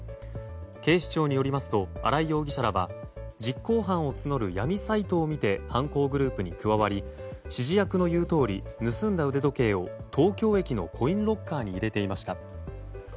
警視庁によりますと荒井容疑者らは実行犯を募る闇サイトを見て犯行グループに加わり指示役の言うとおり盗んだ腕時計を東京駅のコインロッカーに入れていました。